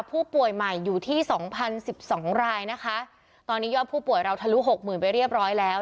ผู้ป่วยใหม่อยู่ที่สองพันสิบสองรายนะคะตอนนี้ยอดผู้ป่วยเราทะลุหกหมื่นไปเรียบร้อยแล้ว